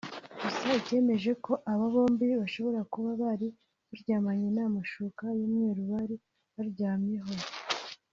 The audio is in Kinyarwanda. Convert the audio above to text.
gusa icyemeje ko aba bombi bashobora kuba bari baryamanye n’amashuka y’umweru bari baryamyeho